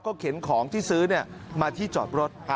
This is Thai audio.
เข็นของที่ซื้อมาที่จอดรถ